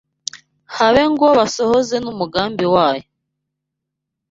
habe ngo basohoze n’umugambi wayo